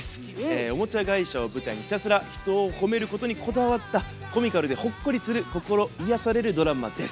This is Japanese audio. おもちゃ会社を舞台にひたすらひとを褒めることにこだわったコミカルでほっこりする心癒やされるドラマです。